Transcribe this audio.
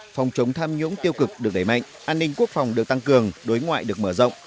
phòng chống tham nhũng tiêu cực được đẩy mạnh an ninh quốc phòng được tăng cường đối ngoại được mở rộng